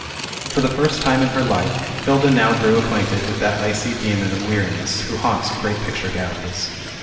For the first time in her life, Hilda now grew acquainted with that icy demon of weariness, who haunts great picture galleries.